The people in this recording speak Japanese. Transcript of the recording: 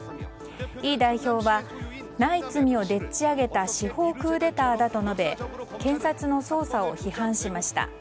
イ代表はない罪をでっち上げた司法クーデターだと述べ検察の捜査を批判しました。